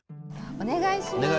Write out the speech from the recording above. お願いします。